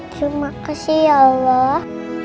terima kasih ya allah